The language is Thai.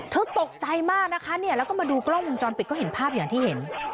ตกใจมากนะคะเนี่ยแล้วก็มาดูกล้องวงจรปิดก็เห็นภาพอย่างที่เห็น